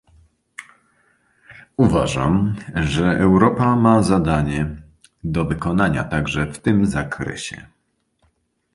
Uważam, że Europa ma zadanie do wykonania także w tym zakresie